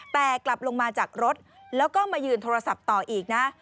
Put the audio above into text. แต่กลับลงมาจากรถแล้วก็มายืนโทรศัพท์ต่ออีกนะ